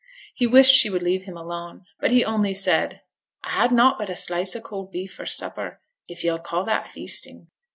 He wished she would leave him alone; but he only said 'I had nought but a slice o' cold beef for supper, if you'll call that feasting.'